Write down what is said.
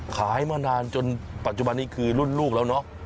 มานานจนปัจจุบันนี้คือรุ่นลูกแล้วเนาะ